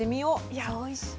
いやおいしい。